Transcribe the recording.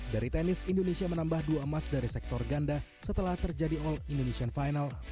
dari tenis indonesia menambah dua emas dari sektor ganda setelah terjadi all indonesian final